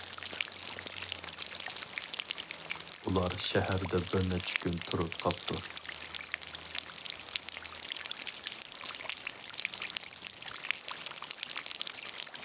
ئۇلار شەھەردە بىر نەچچە كۈن تۇرۇپ قاپتۇ.